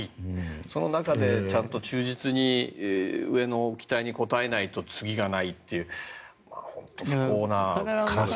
その中で、ちゃんと忠実に上の期待に応えないと次がないという不幸な。